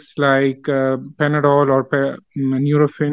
seperti panadol atau neurofin